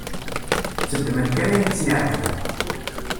Tteddmen kan ayen i sen-iεeǧben.